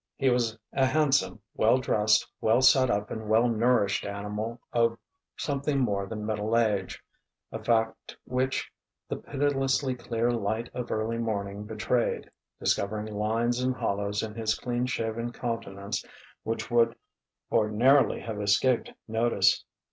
He was a handsome, well dressed, well set up and well nourished animal of something more than middle age: a fact which the pitilessly clear light of early morning betrayed, discovering lines and hollows in his clean shaven countenance which would ordinarily have escaped notice.